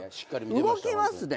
動きますね。